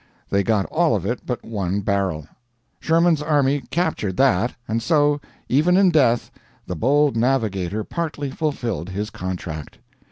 They got all of it but one barrel. Sherman's army captured that, and so, even in death, the bold navigator partly fulfilled his contract.